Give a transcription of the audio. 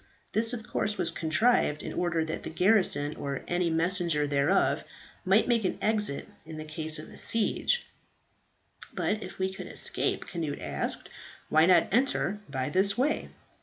This of course was contrived in order that the garrison, or any messenger thereof, might make an exit in case of siege." "But if we could escape," Cnut asked, "why not enter by this way?"